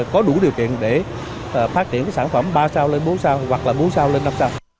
có đủ điều kiện để phát triển sản phẩm ba sao lên bốn sao hoặc là bốn sao lên năm sao